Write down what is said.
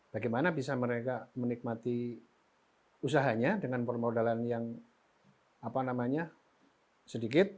bagaimana bisa mereka menikmati usahanya dengan permodalan yang sedikit